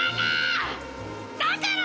だから！